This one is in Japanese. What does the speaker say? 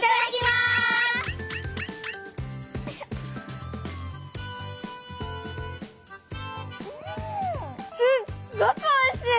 すっごくおいしい！